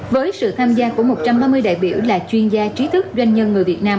với sự tham gia của một trăm ba mươi đại biểu là chuyên gia trí thức doanh nhân người việt nam